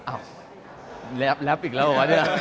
อ้าวแร็ปอีกแล้วหรือเปล่าเนี่ย